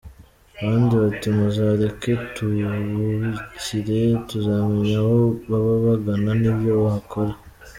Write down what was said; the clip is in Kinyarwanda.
" Abandi bati "Muzareke tububikire tuzamenya aho baba bagana n’ibyo bahakora.